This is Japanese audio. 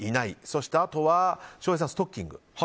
そしてあとは翔平さんはストッキング。